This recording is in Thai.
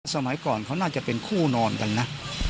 สมัยก่อนเขาน่าจะเป็นคู่นอนกันนะ